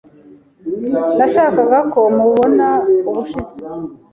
Nashakaga ko mubona ubushize.